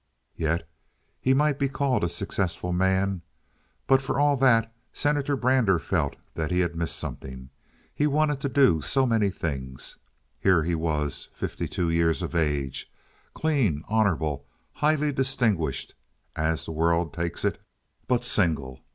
Yes, he might be called a successful man, but for all that Senator Brander felt that he had missed something. He had wanted to do so many things. Here he was, fifty two years of age, clean, honorable, highly distinguished, as the world takes it, but single.